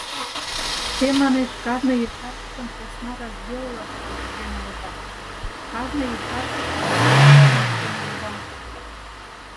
Те, манеш, кажне ешартышым посна разделлашке урген улыда, кажне ешартышлан подписьым ыштен улыда.